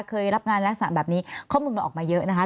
เคยรับงานลักษณะแบบนี้ข้อมูลมันออกมาเยอะนะคะ